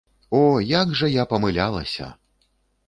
О, як жа я памылялася!